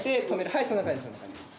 はいそんな感じそんな感じです。